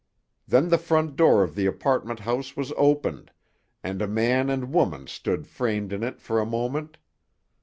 Then the front door of the apartment house was opened, and a man and woman stood framed in it for a moment.